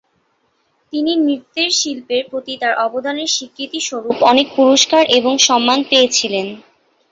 তিনি নৃত্যের শিল্পের প্রতি তাঁর অবদানের স্বীকৃতি স্বরূপ অনেক পুরস্কার এবং সম্মান পেয়েছিলেন।